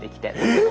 えっ⁉